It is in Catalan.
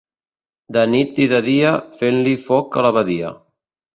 De nit i de dia, fent-li foc a l’abadia.